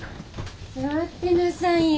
座ってなさいよ。